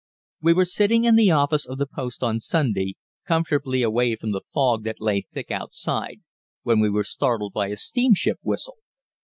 We were sitting in the office of the post on Sunday, comfortably away from the fog that lay thick outside, when we were startled by a steamship whistle.